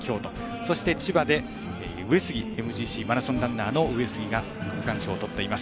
そして千葉で上杉ＭＧＣのマラソンランナーが区間賞をとっています。